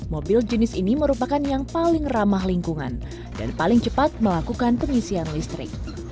mobil jenis ini merupakan yang paling ramah lingkungan dan paling cepat melakukan pengisian listrik